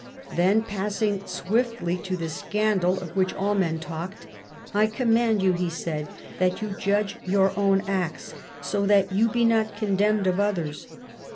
Then passing swiftly to the scandal of which all men talked, "I command you," he said, "that you judge your own acts so that you be not condemned of others.